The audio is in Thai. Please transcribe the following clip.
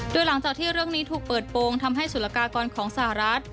โดยหลังจากที่เรื่องนี้ถูกเปิดโปรงทำให้สุรกากรของสหรัฐ